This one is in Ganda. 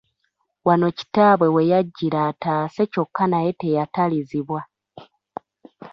Wano kitaabwe we yajjira ataase kyokka naye teyatalizibwa.